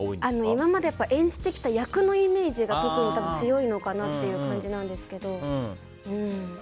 今まで演じてきた役のイメージが強いのかなという感じなんですけど。